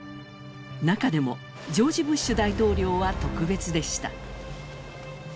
中でもジョージ・ブッシュ大統領は特別でした。